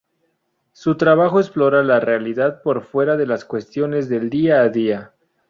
Su trabajo explora la realidad por fuera de las cuestiones del día a día.